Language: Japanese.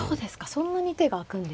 そんなに手があくんですね。